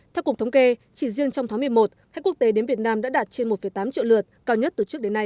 theo cục thống kê chỉ riêng trong tháng một mươi một khách quốc tế đến việt nam đã đạt trên một tám triệu lượt cao nhất từ trước đến nay